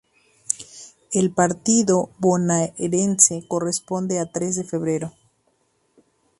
El partido Bonaerense corresponde a Tres de Febrero.